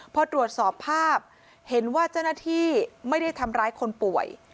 พอตรวจสอบภาพเห็นว่าเจ้าหน้าที่ไม่ได้ทำร้ายคนป่วย